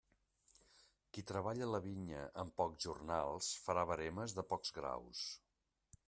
Qui treballa la vinya amb pocs jornals farà veremes de pocs graus.